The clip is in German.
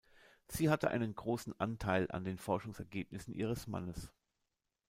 Sie hatte einen großen Anteil an den Forschungsergebnissen ihres Mannes.